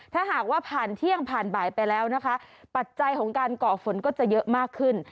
ถ้าหากว่าผ่านเที่ยงผ่านบ่ายไปแล้วนะคะปัจจัยของการก่อฝนก็จะเยอะมากขึ้น